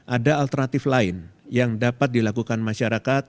ada alternatif lain yang dapat dilakukan masyarakat